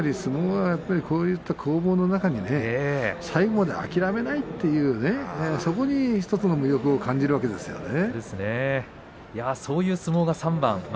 相撲はこういった攻防の中に最後まで諦めないというそこで１つの魅力を感じるわけですよね。